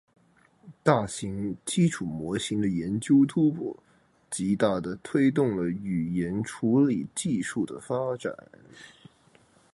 大型基础模型的研究突破，极大地推动了语音处理技术的发展。